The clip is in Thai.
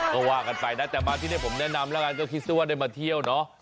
ก็ว่ากันไปนะแต่มาที่นี่ผมแนะนำแล้วกันก็คิดซะว่าได้มาเที่ยวเนอะ